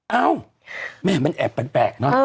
เอ้าแม่มันแอบแปลกเนอะ